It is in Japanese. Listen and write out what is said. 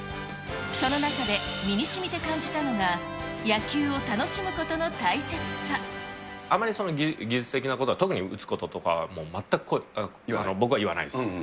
その中で、身にしみて感じたのが、あまり技術的なことは、特に打つこととか全く、僕は言わないです。